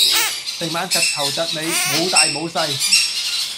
成晚窒頭窒尾，冇大冇細